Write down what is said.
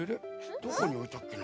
どこにおいたっけな。